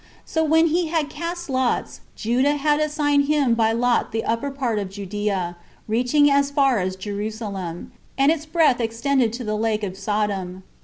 So when he had cast lots, Judah had assigned him by lot the upper part of Judea, reaching as far as Jerusalem, and its breadth extended to the Lake of Sodom.